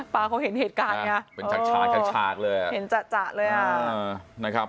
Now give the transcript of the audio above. ปลาเขาเห็นเหตุการณ์เนี่ยเป็นฉากเห็นจะเลยนะครับ